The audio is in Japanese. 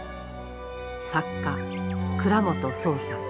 作家倉本聰さん